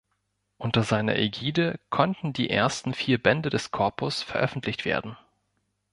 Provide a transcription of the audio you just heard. Unter seiner Ägide konnten die ersten vier Bände des Corpus veröffentlicht werden.